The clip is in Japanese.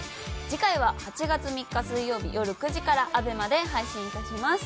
次回は８月３日水曜日よる９時からアベマで配信いたします。